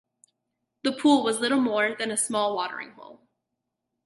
The pool was little more than a small watering hole.